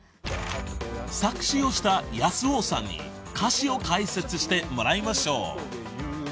［作詞をした康雄さんに歌詞を解説してもらいましょう］